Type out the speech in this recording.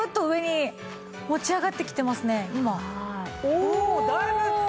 おおだいぶ。